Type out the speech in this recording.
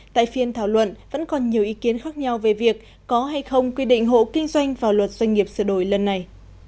tại phiên thảo luận vẫn còn nhiều ý kiến khác nhau về việc có hay không quy định hộ kinh doanh vào luật doanh nghiệp sửa đổi lần này